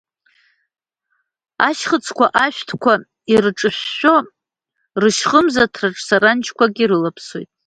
Ашьхыцқәа ашәҭқәа ирҿышәшәо, рышьхымзаҭраҿ саранџьқәак ирылаԥсоит.